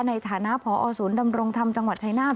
ในฐานะพอศูนย์ดำรงธรรมจังหวัดชายนาฏ